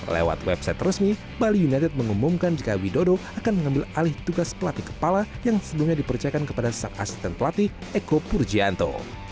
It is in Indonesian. lewat website resmi bali united mengumumkan jika widodo akan mengambil alih tugas pelatih kepala yang sebelumnya dipercayakan kepada sang asisten pelatih eko purjianto